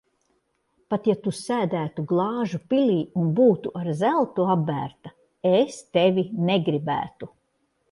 Pat ja Tu sēdētu glāžu pilī un būtu ar zeltu apbērta, es tevi negribētu.